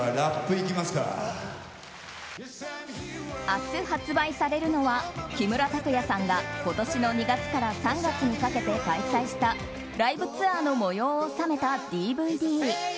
明日発売されるのは木村拓哉さんが今年の２月から３月にかけて開催したライブツアーの模様を収めたＤＶＤ。